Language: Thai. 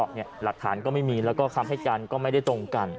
หลักฐานก็ไม่มีแล้วก็คำให้การก็ไม่ได้ตรงกัน